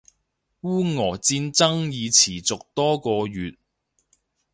俄烏戰爭已持續多個月